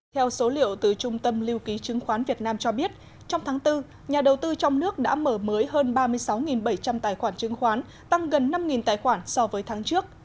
theo số liệu từ trung tâm lưu ký chứng khoán việt nam cho biết trong tháng bốn nhà đầu tư trong nước đã mở mới hơn ba mươi sáu bảy trăm linh tài khoản chứng khoán tăng gần năm tài khoản so với tháng trước